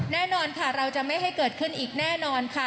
แน่นอนค่ะเราจะไม่ให้เกิดขึ้นอีกแน่นอนค่ะ